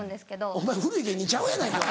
お前古い芸人ちゃうやないか。